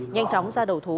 nhanh chóng ra đầu thú